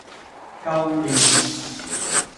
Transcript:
舊年